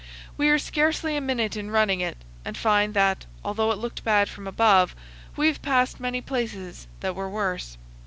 We are scarcely a minute in running it, and find that, although it looked bad from above, we have passed many places that were worse.